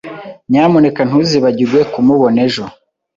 Nyamuneka ntuzibagirwe kumubona ejo.